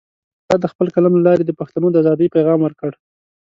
هغه د خپل قلم له لارې د پښتنو د ازادۍ پیغام ورکړ.